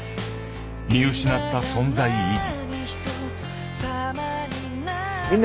見失った存在意義。